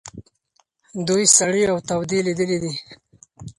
دوی سړې او تودې لیدلي دي.